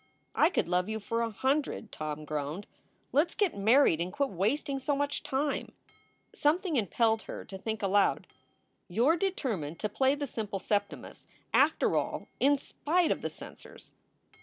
"I could love you for a hundred," Tom groaned. "Let s get married and quit wasting so much time." Something impelled her to think aloud: "You re determined to play the simple Septimus, after all, in spite of the censors."